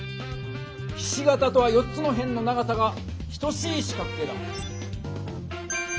ひし形とは４つの辺の長さが等しい四角形だ。